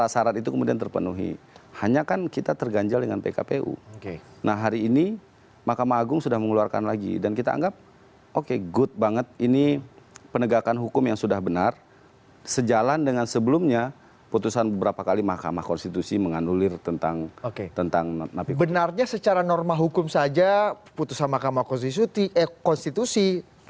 sedang diuji di makamah konstitusi